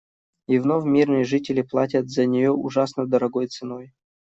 И вновь мирные жители платят за нее ужасно дорогой ценой.